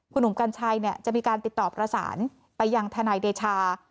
คุณหนุ่มกัญชัยจะมีการติดต่อประสานไปยังทนายเดชา